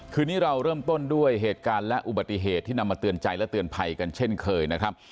คืนนี้เราเริ่มต้นด้วยเหตุการณ์และอุบัติเหตุที่นำมาเตือนใจและเตือนภัยกันเช่นเคยนะครับ